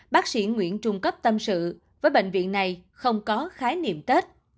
bác sĩ nguyễn trung cấp tâm sự với bệnh viện này không có khái niệm tết